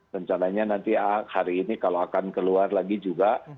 rencananya nanti hari ini kalau akan keluar lagi juga